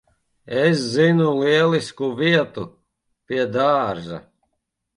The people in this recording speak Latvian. Es zinu lielisku vietu. Pie dārza.